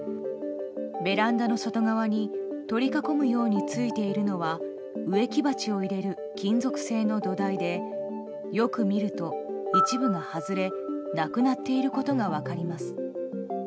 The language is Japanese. ベランダの外側に取り囲むようについているのは植木鉢を入れる金属製の土台でよく見ると、一部が外れなくなっていることが分かります。